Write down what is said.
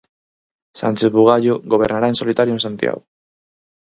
Sánchez Bugallo gobernará en solitario en Santiago.